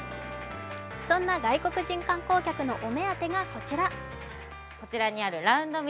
そんな外国人観光客のお目当てがこちら。